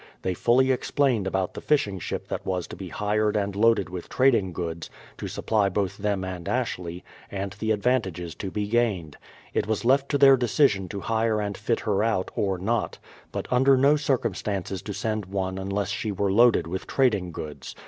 They fully explained about the fishing ship that was to be hired and loaded with trading goods, to supply both them and Ashley, and tlie advantages to be gained. It was left to their decision to hire and fit her out, or not ; but under no circumstances to send one unless she were loaded with trading goods.